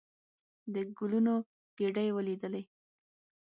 د ګلونو ګېدۍ ولېدلې.